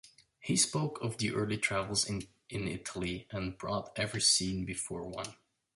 He spoke of his early travels in Italy and brought every scene before one.